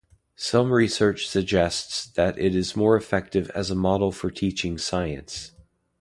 Some research suggests that it is more effective as a model for teaching science.